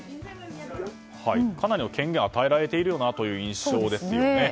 かなりの権限を与えられているという印象ですよね。